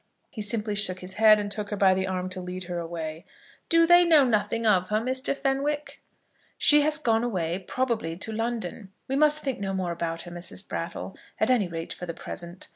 He simply shook his head and took her by the arm to lead her away. "Do they know nothing of her, Mr. Fenwick?" "She has gone away; probably to London. We must think no more about her, Mrs. Brattle at any rate for the present.